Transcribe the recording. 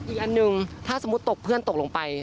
อีกอันหนึ่งถ้าสมมุติตกเพื่อนตกลงไป